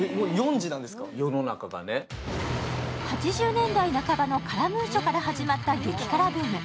８０年代半ばのカラムーチョから始まった激辛ブーム。